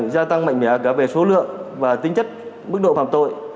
gia tăng mạnh mẽ cả về số lượng và tính chất mức độ phạm tội